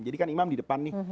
jadi kan imam di depan nih